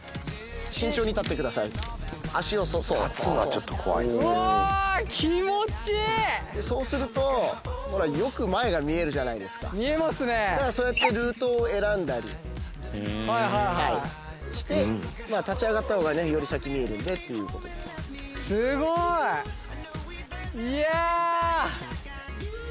慎重に立ってください足をそうそうそうそうするとほらよく前が見えるじゃないですか見えますねだからそうやってルートを選んだりはいはいはいまあ立ち上がった方がねより先見えるんでっていうすごーいいや！